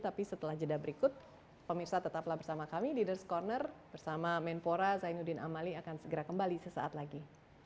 tapi setelah jeda berikut pemirsa tetaplah bersama kami ⁇ leaders ⁇ corner bersama menpora zainuddin amali akan segera kembali sesaat lagi